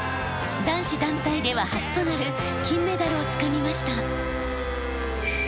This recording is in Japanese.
男子団体では初となる金メダルをつかみました。